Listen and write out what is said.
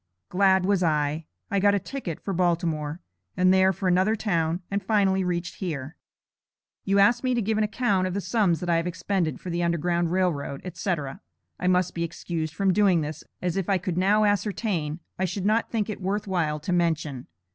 Glad was I. I got a ticket for Baltimore, and there for another town, and finally reached here." You asked me to give an account of the sums that I have expended for the Underground Rail Road, etc. I must be excused from doing this, as if I could now ascertain, I should not think it worth while to mention.